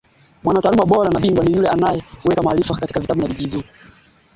Mjumbe mpya anatoa wito wa kurekebishwa kikosi cha kulinda amani cha jumuia ya Umoja wa Mataifa.